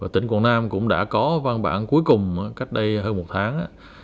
tỉnh quảng nam cũng đã có văn bản cuối cùng cách đây hơn một tháng